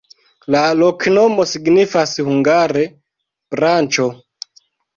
La loknomo signifas hungare: branĉo.